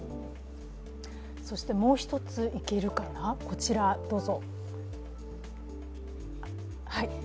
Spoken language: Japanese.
もう一ついけるかな、こちらどうぞ。